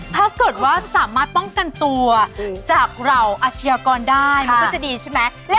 ผู้ใหญ่ไม่ต้องดึงลูกสามารถเติ้ล